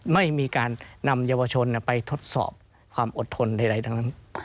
ไม่มีการนำเยาวชนไปทดสอบความอดทนใดทั้งนั้น